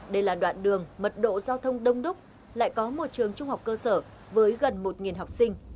đây là đoạn đường mật độ giao thông đông đúc lại có một trường trung học cơ sở với gần một học sinh